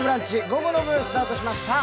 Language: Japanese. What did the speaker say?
午後の部スタートしました。